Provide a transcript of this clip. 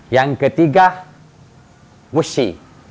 yang ketiga busi